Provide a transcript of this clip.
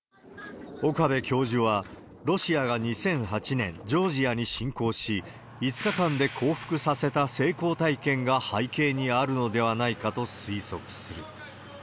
岡部教授は、ロシアが２００８年、ジョージアに侵攻し、５日間で降伏させた成功体験が背景にあるのではないかと推測する。